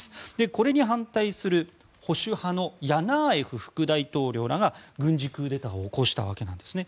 これに反対する保守派のヤナーエフ副大統領らが軍事クーデターを起こしたわけなんですね。